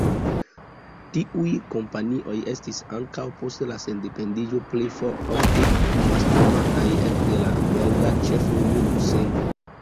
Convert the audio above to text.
Tiuj kompanioj estis, ankaŭ post la sendependiĝo, plejofte mastrumataj ekde la belga ĉefurbo Bruselo.